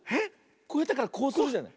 こうやってからこうするじゃない？